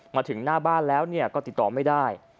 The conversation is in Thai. มาถึงหน้าบ้านแล้วก็ติดต่อไม่ได้